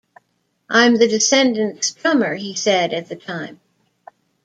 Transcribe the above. "I'm the Descendants' drummer", he said at the time.